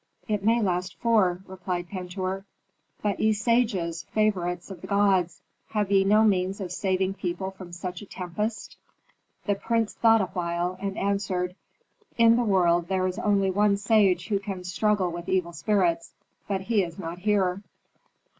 "It may last four," replied Pentuer. "But ye sages, favorites of the gods, have ye no means of saving people from such a tempest?" The priest thought awhile, and answered, "In the world there is only one sage who can struggle with evil spirits. But he is not here."